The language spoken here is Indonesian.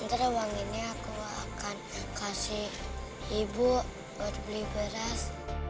ntar abang gini aku akan kasih ibu buat beli beras